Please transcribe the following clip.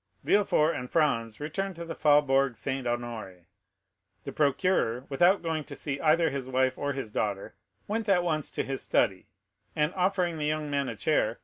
Villefort and Franz returned to the Faubourg Saint Honoré. The procureur, without going to see either his wife or his daughter, went at once to his study, and, offering the young man a chair: "M.